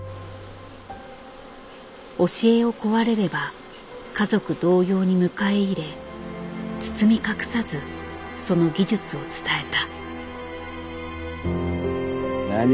教えを請われれば家族同様に迎え入れ包み隠さずその技術を伝えた。